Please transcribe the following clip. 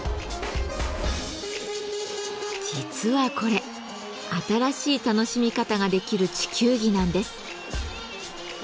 実はこれ新しい楽しみ方ができる地球儀なんです。